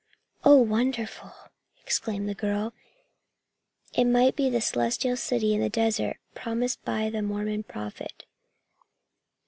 "Oh, wonderful!" exclaimed the girl. "It might be the celestial city in the desert, promised by the Mormon prophet!"